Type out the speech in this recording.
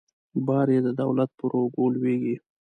بار یې د دولت پر اوږو لویږي.